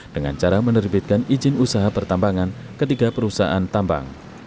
dengan cara menerbitkan izin usaha pertambangan ketiga perusahaan tambang